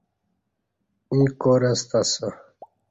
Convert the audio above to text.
ییں کار استہ اسہ